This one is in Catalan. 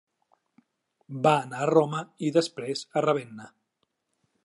Va anar a Roma i després a Ravenna.